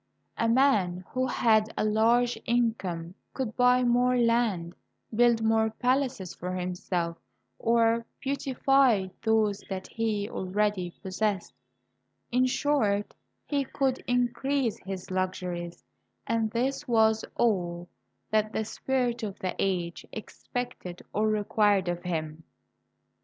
A man who had a large income could buy more land, build more palaces for himself, or beautify those that he already possessed — in short, he could increase his luxuries; and this was all that the spirit of the age expected or required of him.